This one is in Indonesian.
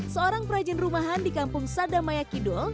seorang perajin rumahan di kampung sadamayakidul